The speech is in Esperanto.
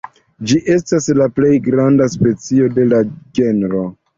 Ĝi estas la plej granda specio de la genro.